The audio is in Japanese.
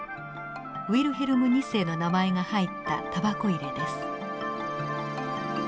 ウィルヘルム２世の名前が入ったタバコ入れです。